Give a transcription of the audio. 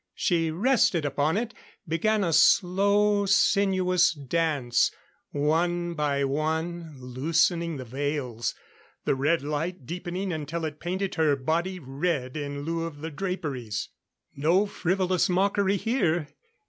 She rested upon it; began a slow, sinuous dance; one by one loosening the veils; the red light deepening until it painted her body red in lieu of the draperies. No frivolous mockery here.